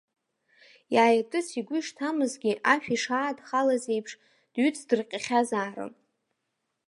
Иааиртырц игәы ишҭамызгьы, ашә ишаадхалаз еиԥш, дҩыҵдырҟьахьазаарын.